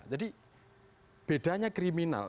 jadi bedanya kriminal